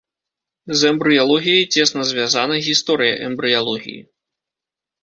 З эмбрыялогіяй цесна звязана гісторыя эмбрыялогіі.